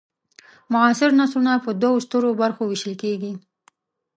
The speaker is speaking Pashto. معاصر نثرونه په دوو سترو برخو وېشل کیږي.